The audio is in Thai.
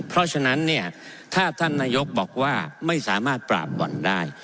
เพราะฉะนั้นเนี่ยถ้าท่านนายกบอกว่าไม่สามารถปราบบ่อนได้